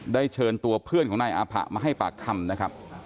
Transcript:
เชิญตัวเพื่อนของนายอาผะมาให้ปากคำนะครับ